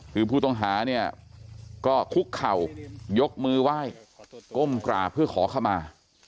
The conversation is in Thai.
คือผู้ต้องหาเนี่ยก็คุกเข่ายกมือไหว้ก้มกราบเพื่อขอขมา